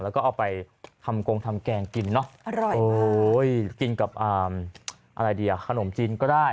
แล้วก็เอาไปทำกงทำแกงกินเนอะอร่อยกินกับอะไรดีอ่ะขนมจีนก็ได้